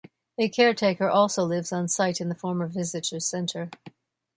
A caretaker also lives on site in the former Visitors' Center.